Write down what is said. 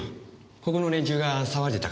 ここの連中が騒いでたから。